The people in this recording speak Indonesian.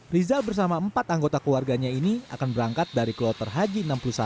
riza bersama empat anggota keluarganya ini akan berangkat dari kloter haji enam puluh satu